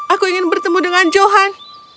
aku ingin bertemu dengan johan